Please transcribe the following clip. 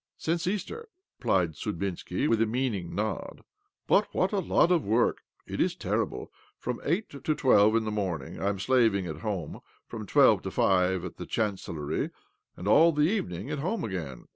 " Since Easter," replied Sudbinski, with a meaning nod. " But what a lot of work I It is terrible ! From eight to twelve in the morninig I am slaving at home ; from' twelve to five at the Chancellory ; and all the evening 'at home again.